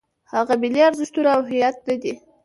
هغه ملي ارزښتونه او هویت نه دی.